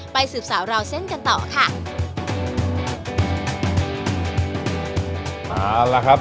ไปสืบสาวเราเส่นกันเถอะ